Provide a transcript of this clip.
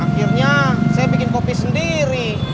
akhirnya saya bikin kopi sendiri